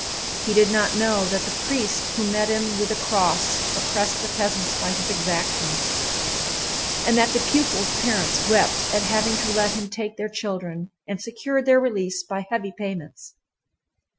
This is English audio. He did not know that the priest who met him with the cross oppressed the peasants by his exactions, and that the pupils' parents wept at having to let him take their children and secured their release by heavy payments.